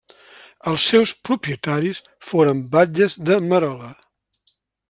Els seus propietaris foren batlles de Merola.